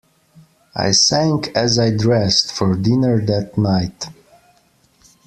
I sang as I dressed for dinner that night.